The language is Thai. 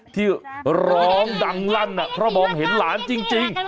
ที่ร้องดังลั่นเพราะมองเห็นหลานจริง